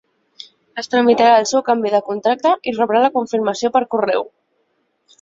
Es tramitarà el seu canvi de contracte i rebrà la confirmació per correu.